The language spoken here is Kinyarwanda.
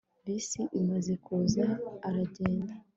bisi imaze kuza, aragenda